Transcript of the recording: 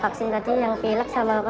vaksin tadi yang pilak sama apa